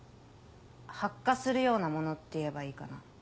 発火するようなものって言えばいいかな。